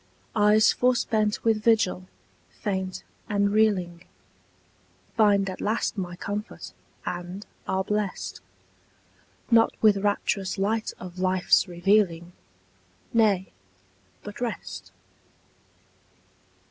Eyes forspent with vigil, faint and reeling, Find at last my comfort, and are blest, Not with rapturous light of life's revealing— Nay, but rest.